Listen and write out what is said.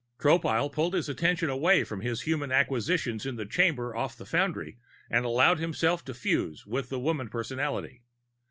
Tropile pulled his attention away from his human acquisitions in the chamber off the foundry and allowed himself to fuse with the woman personality.